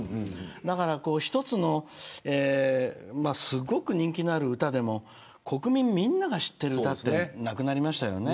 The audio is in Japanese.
だから、一つのすごく人気のある歌でも国民みんなが知ってる歌ってなくなりましたよね。